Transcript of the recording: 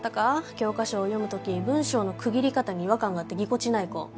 教科書を読む時文章の区切り方に違和感があってぎこちない子。